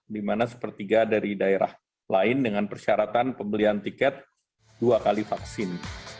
di mana sepertiga dari daerah lain dengan persyaratan pembelian tiket dua kali vaksin